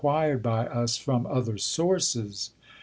by US from other sources.